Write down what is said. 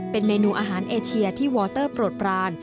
เป็นเมนูอาหารเอเชียที่วอเตอร์โปรดปราน